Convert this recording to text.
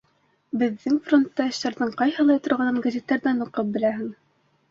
Беҙҙең фронтта эштәрҙең ҡайһылай торғанын гәзиттәрҙән уҡып беләһең.